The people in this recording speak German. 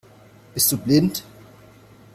Bist du blind?